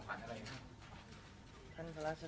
ท่านพระราชทานขอบความอะไรนะครับ